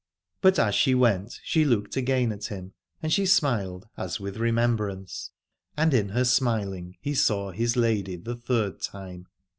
But as she went she looked again at him, and she smiled as with re membrance : and in her smiling he saw his lady the third time.